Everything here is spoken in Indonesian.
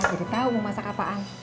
jadi tau mau masak apaan